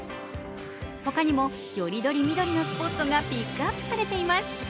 ほかにもより取り見取りのスポットがピックアップされています。